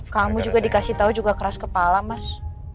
kamu juga dikasih tahu juga keras kepala mas